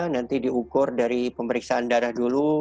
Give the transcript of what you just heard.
nanti diukur dari pemeriksaan darah dulu